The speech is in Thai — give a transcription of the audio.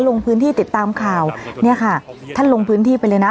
ลงพื้นที่ติดตามข่าวเนี่ยค่ะท่านลงพื้นที่ไปเลยนะ